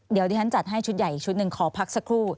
เดี๋ยวที่ฉันจัดให้ชุดใหญ่อีกชุดหนึ่งขอพักสักครู่